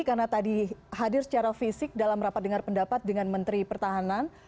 karena tadi hadir secara fisik dalam rapat dengar pendapat dengan menteri pertahanan